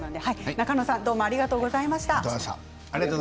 中野さんありがとうございました。